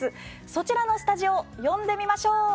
そちらのスタジオ呼んでみましょう！